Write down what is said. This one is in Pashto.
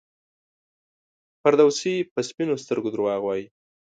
فردوسي په سپینو سترګو دروغ وایي.